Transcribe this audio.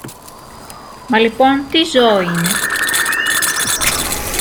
Μα λοιπόν τι ζώο είναι;